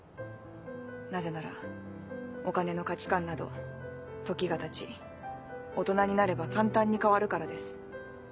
なぜならお金の価値観など時がたち大人になれば簡単に変わるからです